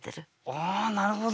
ああなるほど。